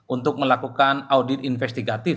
untuk melakukan audit investigatif